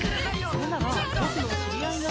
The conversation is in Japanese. それなら僕の知り合いが。